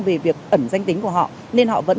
về việc ẩn danh tính của họ nên họ vẫn